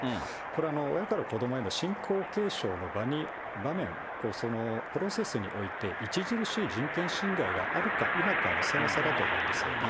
これ、親から子どもへの信仰継承の場に、場面、プロセスにおいて著しい人権侵害があるか否かのその差だと思うんですよ。